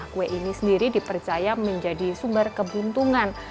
kue ini sendiri dipercaya menjadi sumber kebuntungan